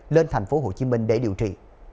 lên tp hcm để điều trị